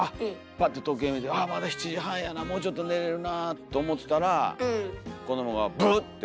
パッて時計見て「ああまだ７時半やなもうちょっと寝れるなあ」と思ってたら子どもがブッ！って。